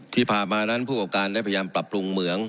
ที่ผ่านมานั้นผู้ประกอบการได้พยายามปรับปรุงเหมือง